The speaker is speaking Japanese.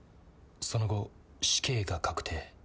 その後死刑が確定。